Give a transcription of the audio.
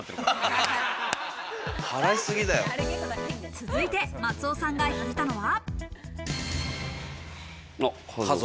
続いて松尾さんが引いたのは。